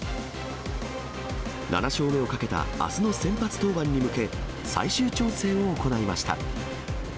７勝目をかけたあすの先発登板に向け、最終調整を行いました。